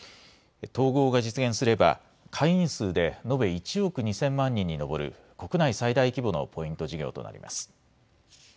統合が実現すれば会員数で延べ１億２０００万人に上る国内最大規模のポイント事業となります。